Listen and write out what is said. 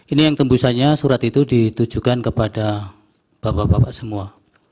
ini yang tembusannya surat itu ditujukan kepada bapak bapak semua